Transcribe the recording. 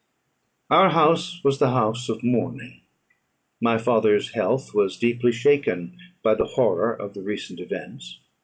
Our house was the house of mourning. My father's health was deeply shaken by the horror of the recent events.